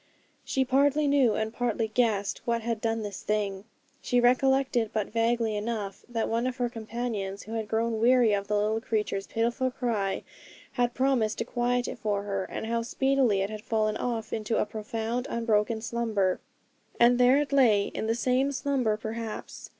She partly knew, and partly guessed, what had done this thing. She recollected, but vaguely enough, that one of her companions, who had grown weary of the little creature's pitiful cry, had promised to quiet it for her, and how speedily it had fallen off into a profound, unbroken slumber. And there it lay, in the same slumber perhaps.